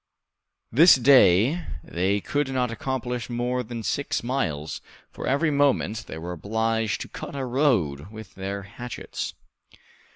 This day they could not accomplish more than six miles, for every moment they were obliged to cut a road with their hatchets.